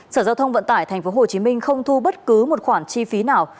sở giao thông vận tải tp hcm không thu bất cứ một khoản chi phí nào